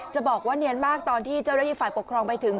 จะบอกว่าเนียนมากตอนที่เจ้าหน้าที่ฝ่ายปกครองไปถึง